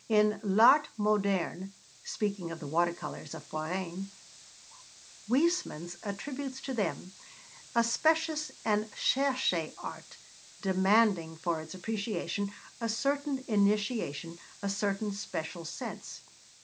In L'Art Moderne, speaking of the water colours of Forain, Huysmans attributes to them 'a specious and cherché art, demanding, for its appreciation, a certain initiation, a certain special sense.'